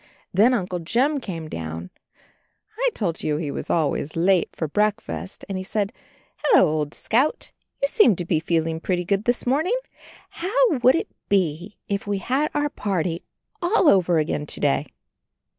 Then Uncle Jim came downstairs. I told you he was always late for breakfast; and he said, "Hello, old Scout. You seem to be feeling pretty good this morning. How would it be if we had our party all over again to day?"